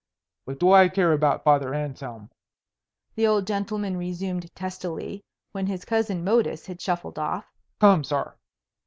What do I care about Father Anselm?" the old gentleman resumed testily, when his cousin Modus had shuffled off. "Come, sir."